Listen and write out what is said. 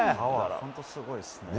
本当すごいですね。